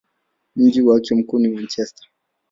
Mji wake mkuu ni Manchester.